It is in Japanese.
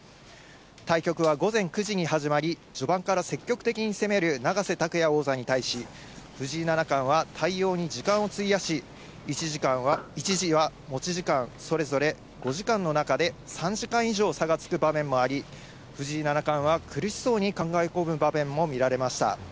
対局は午前９時に始まり、序盤から積極的に攻める永瀬拓矢王座に対し、藤井七冠は対応に時間を費やし、一時は持ち時間それぞれ５時間の中で３時間以上差がつく場面もあり、藤井七冠は苦しそうに考え込む場面も見られました。